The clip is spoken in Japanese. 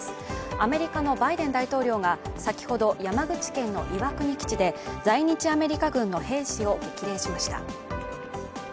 アメリカのバイデン大統領が、先ほど山口県の岩国基地で在日アメリカ軍の兵士を激励しました。